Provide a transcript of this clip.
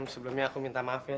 sebelumnya aku minta maaf ya